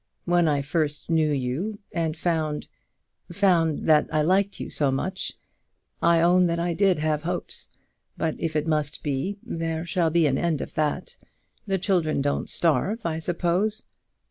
When I first knew you, and found found that I liked you so much, I own that I did have hopes. But if it must be, there shall be an end of that. The children don't starve, I suppose."